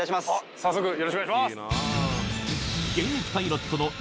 早速。